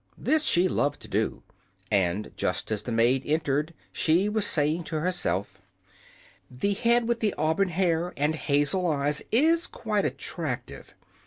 This she loved to do, and just as the maid entered she was saying to herself: "This head with the auburn hair and hazel eyes is quite attractive.